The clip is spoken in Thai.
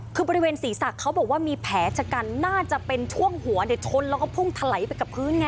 คือบริเวณศีรษะเขาบอกว่ามีแผลชะกันน่าจะเป็นช่วงหัวชนแล้วก็พุ่งถลายไปกับพื้นไง